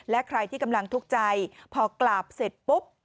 และใครที่กำลังทุกข์ใจพอกราบเสร็จปุ๊บ